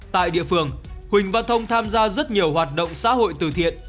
tại địa phương huỳnh văn thông tham gia rất nhiều hoạt động xã hội từ thiện